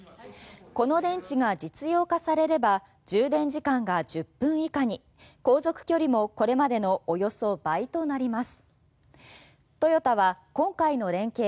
この電池が実用化されれば充電時間が１０分以下に航続距離もこれまでのおよそ倍となります。